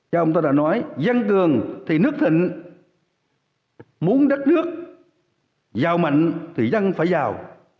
nhà ông ta đã nói dân cường thì nước thịnh muốn đất nước giàu mạnh thì dân phải giàu